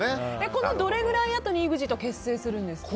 このどのぐらいあとにＥＸＩＴ結成するんですか？